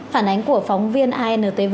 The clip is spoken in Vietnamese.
phản ánh của phóng viên antv